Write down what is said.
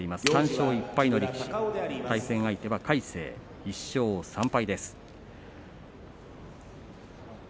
３勝１敗の力士対戦相手は魁聖、１勝３敗です。